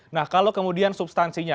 nah kalau kemudian substansinya